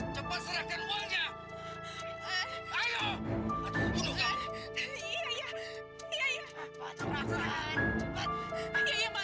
sampai jumpa di video selanjutnya